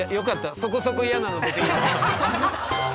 そこそこ嫌なの出てきた。